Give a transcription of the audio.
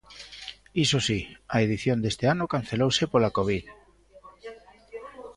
Iso si, a edición deste ano cancelouse pola Covid.